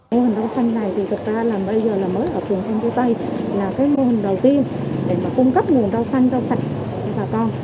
mô hình rau xanh này thì thực ra là bây giờ là mới ở phùng em cô tây là cái mô hình đầu tiên để mà cung cấp nguồn rau xanh rau sạch cho bà con